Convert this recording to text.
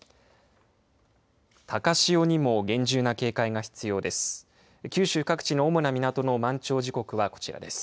高潮にも厳重な警戒が必要です。